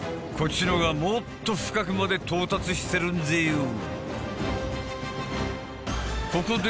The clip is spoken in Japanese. こっちのがもっと深くまで到達してるんぜよ。